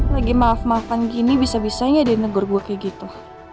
lagi maaf maafan gini bisa bisanya di negur gua kayak gitu